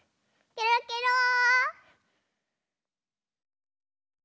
ケロケロー！